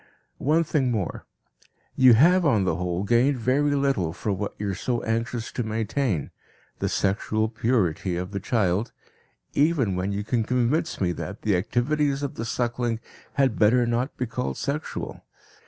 One thing more. You have on the whole gained very little for what you are so anxious to maintain, the sexual purity of the child, even when you can convince me that the activities of the suckling had better not be called sexual.